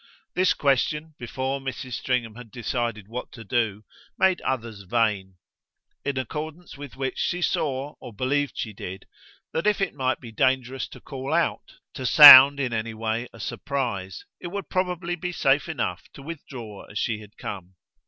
This question, before Mrs. Stringham had decided what to do, made others vain; in accordance with which she saw, or believed she did, that if it might be dangerous to call out, to sound in any way a surprise, it would probably be safe enough to withdraw as she had come.